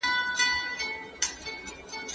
ایا په انګلیسي ژبه پوهېدل تا ته ستونزمن دي؟